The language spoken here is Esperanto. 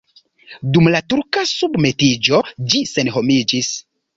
Dum la turka submetiĝo ĝi senhomiĝis.